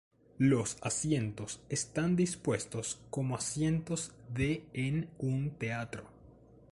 Los asientos están dispuestos como asientos de en un teatro.